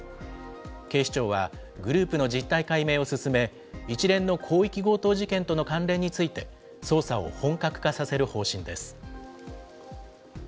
警視庁はグループの実態解明を進め、一連の広域強盗事件との関連について捜査を本格化させる方針です。